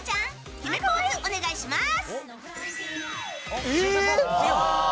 決めポーズお願いします！